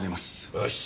よし。